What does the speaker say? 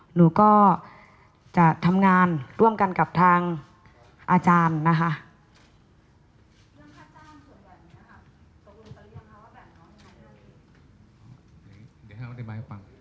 หนูก็จะทำงานร่วมกันกับทางอาจารย์นะคะ